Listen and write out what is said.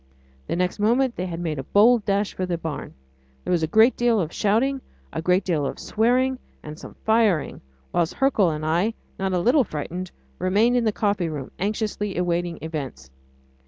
The next moment they had made a bold dash for the barn. There was a great deal of shouting, a great deal of swearing and some firing, whilst Hercule and I, not a little frightened, remained in the coffee room, anxiously awaiting events.